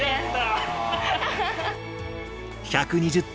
１２０点。